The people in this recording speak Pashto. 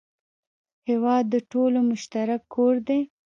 هېواد د ټولو مشترک کور دی.